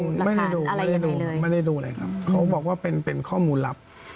ไม่ได้ดูไม่ได้ดูไม่ได้ดูอะไรครับเขาบอกว่าเป็นเป็นข้อมูลลับ